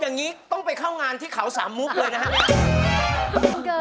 อย่างนี้ต้องไปเข้างานที่เขาสามมุกเลยนะครับ